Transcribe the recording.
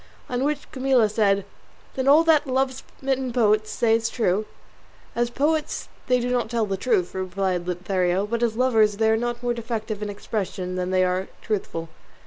On which Camilla said, "Then all that love smitten poets say is true?" "As poets they do not tell the truth," replied Lothario; "but as lovers they are not more defective in expression than they are truthful."